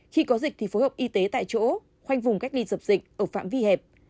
khi có dịch thì phối hợp y tế tại chỗ khoanh vùng cách ly dập dịch ở phạm vi hẹp